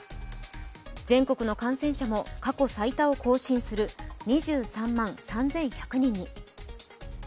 全国の感染者も過去最多を更新する２３万３１００人に。